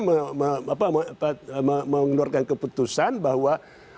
mengeluarkan keputusan bahwa